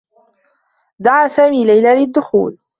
دعى سامي ليلى للدّخول.